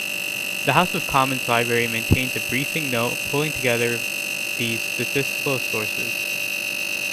The House of Commons Library maintains a briefing note pulling together these statistical sources.